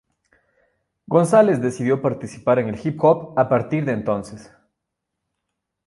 Gonzales decidió participar en el hip hop a partir de entonces.